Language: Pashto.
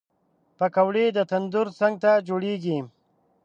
پکورې د تندور څنګ ته جوړېږي